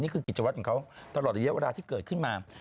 นี่คือกิจวัตรของเขาตลอดเยอะเวลาที่เกิดขึ้นมา